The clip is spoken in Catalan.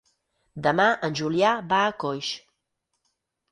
Demà en Julià va a Coix.